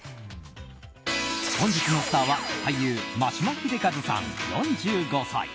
本日のスターは俳優・眞島秀和さん、４５歳。